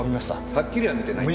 はっきりは見てないって。